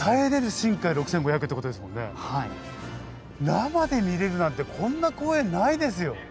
生で見れるなんてこんな光栄ないですよ。